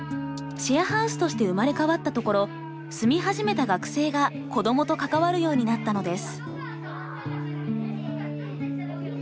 シェアハウスとして生まれ変わったところ住み始めた学生が子どもと関わるようになったのです。